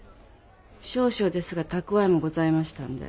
少々ですが蓄えもございましたんで。